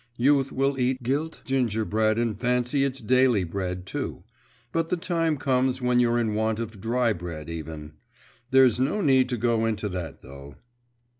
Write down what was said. Youth will eat gilt gingerbread and fancy it's daily bread too; but the time comes when you're in want of dry bread even. There's no need to go into that, though.